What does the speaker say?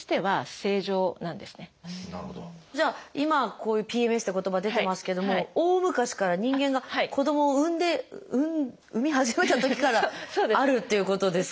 じゃあ今こういう「ＰＭＳ」って言葉出てますけども大昔から人間が子どもを産んで産み始めたときからあるっていうことですか？